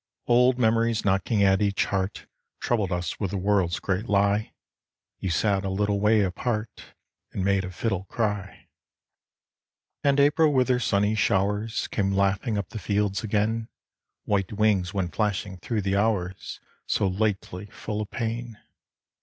Old memories knocking at each heart Troubled us with the world's great lie : You sat a little way apart And made a fiddle cry. 68 TO M. McG. 69 And April with her sunny showers Came laughing up the fields again : White wings went flashing thro' the hours So lately full of pain.